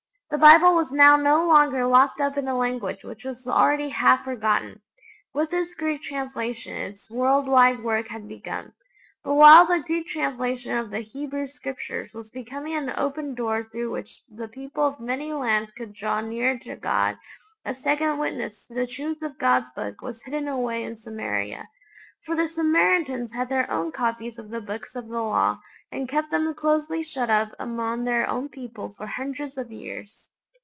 The Bible was now no longer locked up in a language which was already half forgotten. With this Greek translation its world wide work had begun! But while the Greek translation of the Hebrew Scriptures was becoming an open door through which the people of many lands could draw nearer to God, a second witness to the truth of God's Book was hidden away in Samaria. For the Samaritans had their own copies of the Books of the Law, and kept them closely shut up among their own people for hundreds of years.